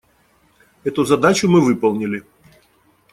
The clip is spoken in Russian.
Эту задачу мы выполнили.